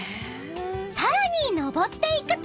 ［さらに登っていくと］